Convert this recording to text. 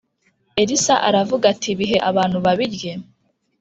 Elisa aravuga ati bihe abantu babirye